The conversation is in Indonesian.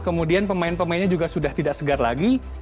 kemudian pemain pemainnya juga sudah tidak segar lagi